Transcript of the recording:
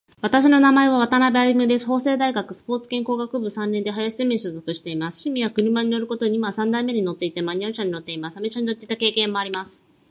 私の名前は渡辺歩です。法政大学スポーツ健康学部三年で林ゼミに所属しています。趣味は車に乗ることで、今は三台目に乗っていて、マニュアル車に乗っています。アメ車に乗っていた経験もあります。